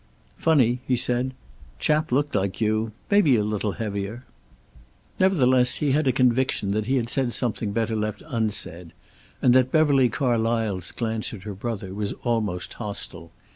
"Funny," he said. "Chap looked like you. Maybe a little heavier." Nevertheless he had a conviction that he had said something better left unsaid, and that Beverly Carlysle's glance at her brother was almost hostile.